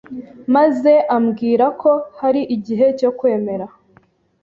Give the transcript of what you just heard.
maze ambwira ko hari igihe cyo ‘kwemera